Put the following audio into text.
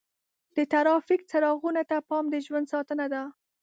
د ټرافیک څراغونو ته پام د ژوند ساتنه ده.